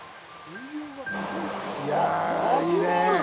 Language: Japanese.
いやぁ、いいね。